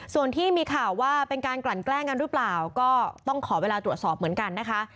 ส่วนที่มีข่าวว่าเป็นการกลั่นแกล้งกันหรือเปล่าก็ต้องขอเวลาตรวจสอบเหมือนกันนะคะ